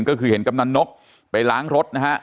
ที่เห็นก็คือเห็นกำลันนกไปหลังรถนะฮะ